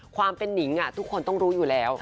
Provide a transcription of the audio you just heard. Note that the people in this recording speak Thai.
ความเป็นนิงทุกคนต้องรู้อยู่แล้ว